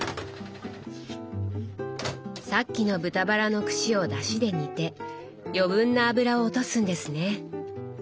さっきの豚バラの串をだしで煮て余分な脂を落とすんですね。